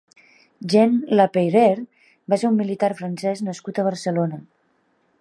Jean Lapeyrère va ser un militar francès nascut a Barcelona.